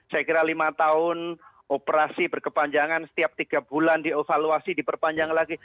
saya kira lima tahun operasi berkepanjangan setiap tiga bulan dievaluasi diperpanjang lagi